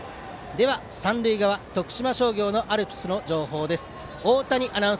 では三塁側、徳島商業のアルプスの情報です。